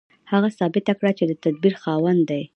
هغه ثابته کړه چې د تدبير خاوند دی.